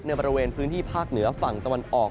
บริเวณพื้นที่ภาคเหนือฝั่งตะวันออก